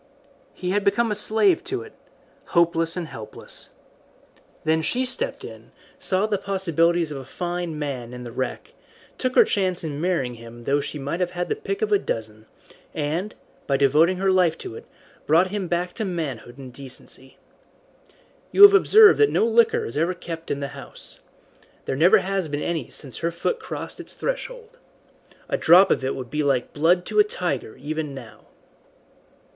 He had become a slave to it hopeless and helpless. Then she stepped in, saw the possibilities of a fine man in the wreck, took her chance in marrying him though she might have had the pick of a dozen, and, by devoting her life to it, brought him back to manhood and decency. You have observed that no liquor is ever kept in the house. There never has been any since her foot crossed its threshold. A drop of it would be like blood to a tiger even now."